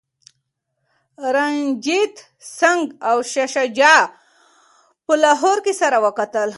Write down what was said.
رنجیت سنګ او شاه شجاع په لاهور کي سره وکتل.